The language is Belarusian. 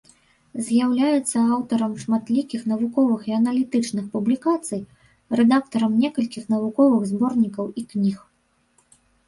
З'яўляецца аўтарам шматлікіх навуковых і аналітычных публікацый, рэдактарам некалькіх навуковых зборнікаў і кніг.